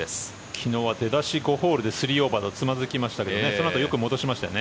昨日は出だし５ホールで３オーバーでつまずきましたけどそのあと、よく戻しましたよね。